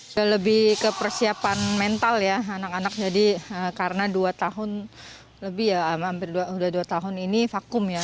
sudah lebih ke persiapan mental ya anak anak jadi karena dua tahun lebih ya hampir udah dua tahun ini vakum ya